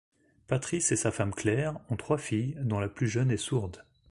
Patrice et sa femme Claire ont trois filles dont la plus jeune est sourde.